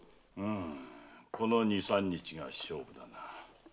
この二三日が勝負だな。